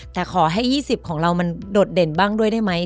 แต่ขอให้๒๐ของเรามันโดดเด่นบ้างด้วยได้ไหม